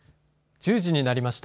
１０時になりました。